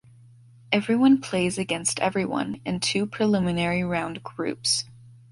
"Everyone plays against everyone" in two preliminary round groups.